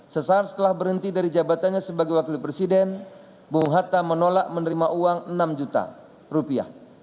sesaat setelah berhenti dari jabatannya sebagai wakil presiden bung hatta menolak menerima uang enam juta rupiah